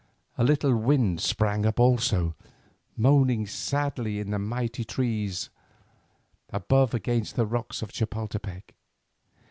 A little wind sprang up also, moaning sadly in the mighty trees above and against the rocks of Chapoltepec.